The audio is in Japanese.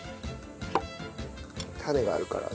種があるから。